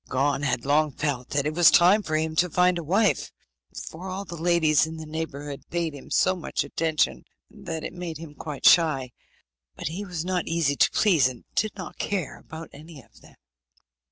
Gon had long felt that it was time for him to find a wife, for all the ladies in the neighbourhood paid him so much attention that it made him quite shy; but he was not easy to please, and did not care about any of them.